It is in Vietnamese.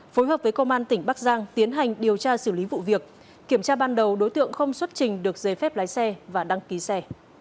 phối hợp với công an tỉnh bắc giang tiến hành điều tra xử lý vụ việc kiểm tra ban đầu đối tượng không xuất trình được giấy phép lái xe và đăng ký xe